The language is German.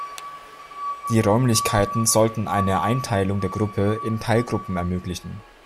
Die Räumlichkeiten sollten eine Einteilung der Gruppe in Teilgruppen ermöglichen.